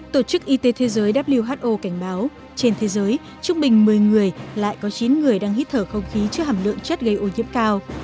tổ chức y tế thế giới who cảnh báo trên thế giới trung bình một mươi người lại có chín người đang hít thở không khí trước hàm lượng chất gây ô nhiễm cao